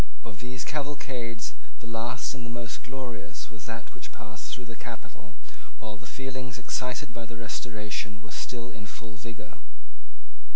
Of these cavalcades the last and the most glorious was that which passed through the capital while the feelings excited by the Restoration were still in full vigour.